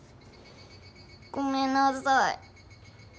ごめんなさい。